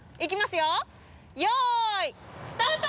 よいスタート！